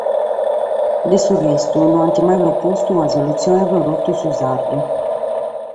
De su restu no ant mai propostu una solutzione pro totu su sardu.